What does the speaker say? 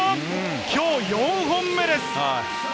今日４本目です。